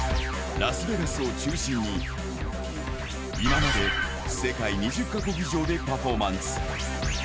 ラスベガスを中心に、今まで世界２０か国以上でパフォーマンス。